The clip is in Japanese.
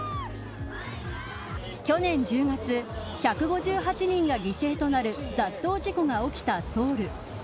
去年１０月１５８人が犠牲となる雑踏事故が起きたソウル。